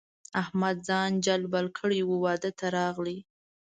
احمد ځان جلبل کړی وو؛ واده ته راغی.